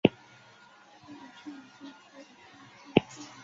侧台塔小斜方截半二十面体欠二侧台塔。